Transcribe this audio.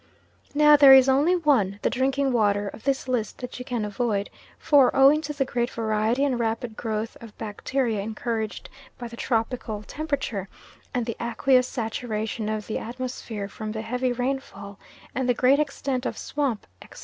Now there is only one the drinking water of this list that you can avoid, for, owing to the great variety and rapid growth of bacteria encouraged by the tropical temperature, and the aqueous saturation of the atmosphere from the heavy rainfall, and the great extent of swamp, etc.